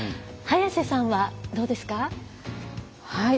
早瀬さんは、どうですか？